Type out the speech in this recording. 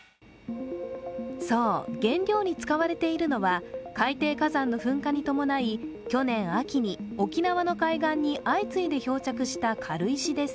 そう、原料に使われているのは、海底火山の噴火に伴い去年秋に沖縄の海岸に相次いで漂着した軽石です。